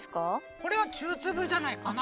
これは中粒じゃないかな。